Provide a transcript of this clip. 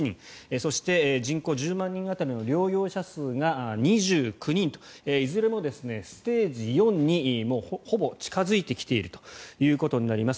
そして、人口１０万人当たりの療養者数が２９人といずれもステージ４にもうほぼ近付いてきているということになります。